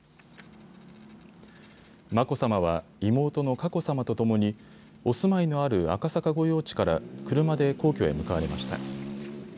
眞子さまは妹の佳子さまとともにお住まいのある赤坂御用地から車で皇居へ向かわれました。